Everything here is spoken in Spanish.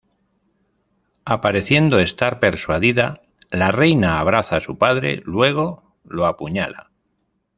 Apareciendo estar persuadida, la Reina abraza asu padre, luego lo apuñala.